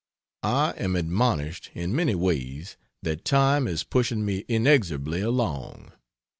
I am admonished in many ways that time is pushing me inexorably along.